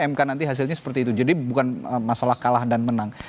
mk nanti hasilnya seperti itu jadi bukan masalah kalah dan menang